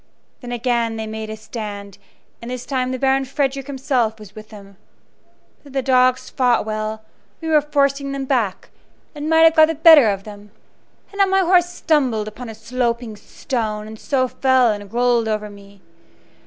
Then again they made a stand, and this time the Baron Frederick himself was with them. But though the dogs fought well, we were forcing them back, and might have got the better of them, had not my horse stumbled upon a sloping stone, and so fell and rolled over upon me.